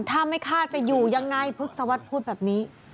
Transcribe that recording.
ถ้าไม่ฆ่าจะอยู่ยังไงพฤกษวรรษพูดแบบนี้